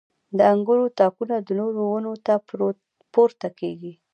• د انګورو تاکونه د نورو ونو ته پورته کېږي.